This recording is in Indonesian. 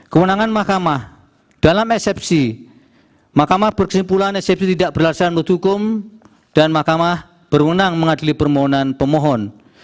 kemenangan mahkamah dalam eksepsi mahkamah berkesimpulan eksepsi tidak berhasilan berhukum dan mahkamah berwenang mengadili permohonan pemohon